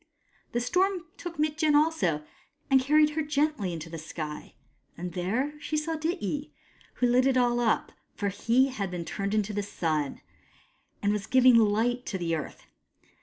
The storm took Mitjen also, and carried her gently into the sky ; and there she saw Dityi, who lit it all up, for he had been turned into the Sun, and was giving light to the earth.